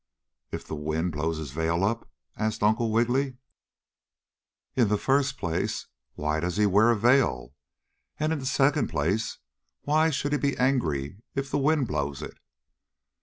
"If the wind blows his veil up?" asked Uncle Wiggily. "In the first place, why does he wear a veil, and in the second place, why should he be angry if the wind blows it?"